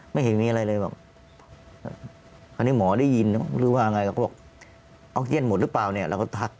ไม่เห็นมีอะไรเลยบอกคราวนี้หมอได้ยินหรือว่าไงเราก็บอกออกเยีนหมดหรือเปล่าเนี่ยเราก็ทัก